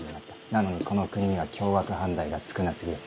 なのにこの国には凶悪犯罪が少な過ぎる。